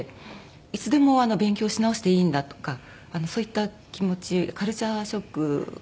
いつでも勉強し直していいんだとかそういった気持ちカルチャーショックを感じました。